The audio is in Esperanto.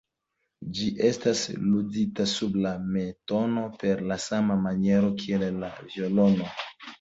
Ĝi estas ludita sub la mentono per la sama maniero kiel la violono.